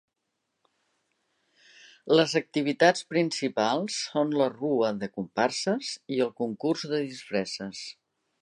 Les activitats principals són la rua de comparses i el concurs de disfresses.